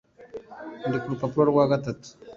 Ndi ku rupapuro rwa gatatu